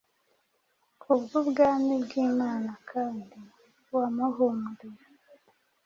kubw’ubwami bw’Imana, kandi “wamuhumurije.”